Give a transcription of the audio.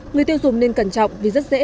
người tiêu dùng nên cẩn trọng vì rất dễ